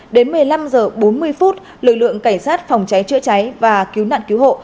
đến một mươi năm h bốn mươi phút lực lượng cảnh sát phòng cháy chữa cháy và cứu nạn cứu hộ